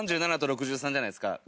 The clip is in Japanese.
３７と６３じゃないですか。